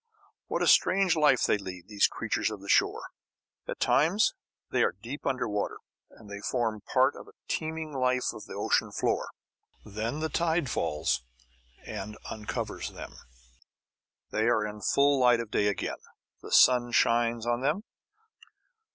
What a strange life they lead, these creatures of the shore! At times they are deep under water, and they form part of the teeming life of the ocean floor. Then the tide falls and uncovers them. They are in the full light of day again, the sun shines on them.